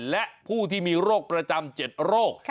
และผู้ที่มีโรคประจำ๗โรค